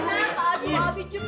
lidahnya keluar kayaknya